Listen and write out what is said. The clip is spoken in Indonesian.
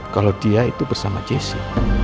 kalau dia itu bersama jesse